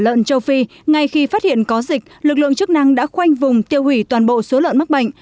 trong phần châu phi ngay khi phát hiện có dịch lực lượng chức năng đã khoanh vùng tiêu hủy toàn bộ số lợn mắc bệnh